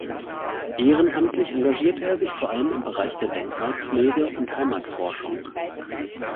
Ehrenamtlich engagierte er sich vor allem im Bereich der Denkmalpflege und Heimatforschung.